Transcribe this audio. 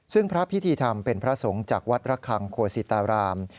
ซึ่งพระพิธีธรรมเป็นพระสงฆ์จากวัดระคังโคสิตาราม